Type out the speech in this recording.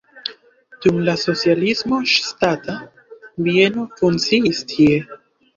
Dum la socialismo ŝtata bieno funkciis tie.